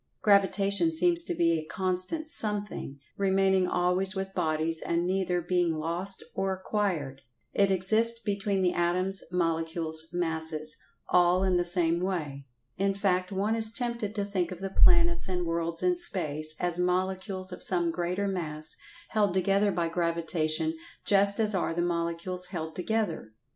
Gravitation seems to be a constant something, remaining always with bodies and neither being lost or acquired. It exists between the Atoms, Molecules, Masses—all in the same way. In fact, one is tempted to think of the planets and worlds in space, as Molecules of some greater Mass held together by Gravitation just as are the Molecules held together.